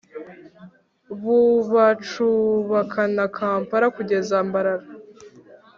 Bubacubakana Kampala kugeze mbalala